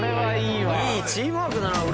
「いいチームワークだな」